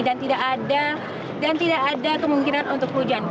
dan tidak ada dan tidak ada kemungkinan untuk hujan